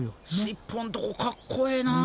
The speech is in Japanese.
尻尾んとこかっこええな。